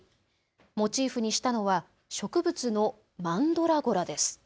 モチーフにしたのは植物のマンドラゴラです。